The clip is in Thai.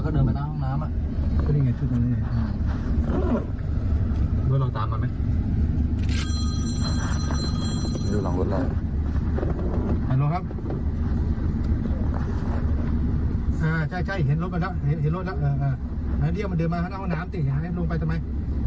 เดี๋ยวมันเดินมาเขาต้องเอาน้ำติดให้ลงไปใช่มั้ย